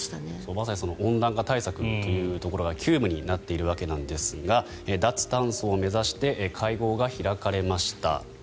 まさに温暖化対策というところが急務になっているわけですが脱炭素を目指して会合が開かれました。